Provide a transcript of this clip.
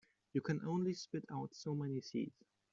You can only spit out so many seeds.